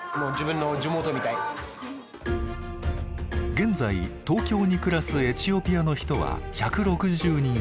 現在東京に暮らすエチオピアの人は１６０人ほど。